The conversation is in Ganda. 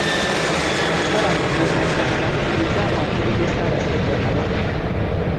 Nasaba Mukuumaddamula akkirize amwanjulire Ssaabasajja Kabaka.